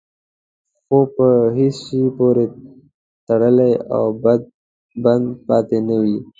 خو په هېڅ شي پورې تړلی او بند پاتې نه وي.